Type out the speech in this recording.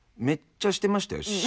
めっちゃしてましたよ。